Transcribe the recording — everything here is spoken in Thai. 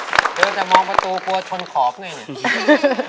เธอจะมองประตูกลัวทนขอบหน่อย